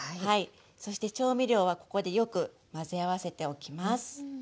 そして調味料はここでよく混ぜ合わせておきます。